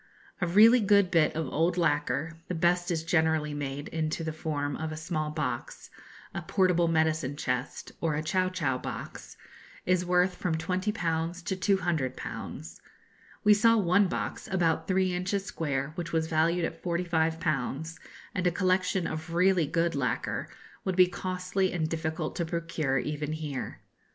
A really good bit of old lacquer (the best is generally made into the form of a small box, a portable medicine chest, or a chow chow box) is worth from 20_l_. to 200_l_. We saw one box, about three inches square, which was valued at 45_l_.; and a collection of really good lacquer would be costly and difficult to procure even here.